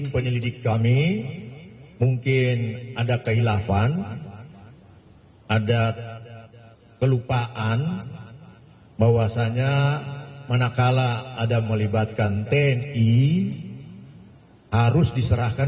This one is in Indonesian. pertanyaan kedua untuk marsjah h a